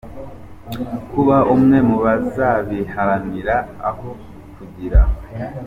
kuba umwe mu bazabiharanira aho kugira.